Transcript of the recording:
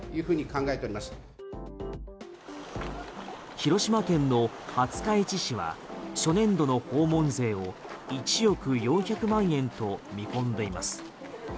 広島県の廿日市市は初年度の訪問税を１億４００万円と見込んでいます。